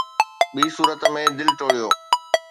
ٻي صورت ۾، دل ٽوڙيو